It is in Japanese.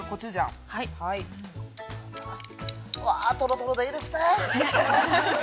とろとろでいいですね。